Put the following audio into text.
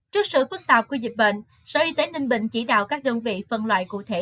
trước sự phức tạp của dịch bệnh sở y tế ninh bình chỉ đạo các đơn vị phân loại cụ thể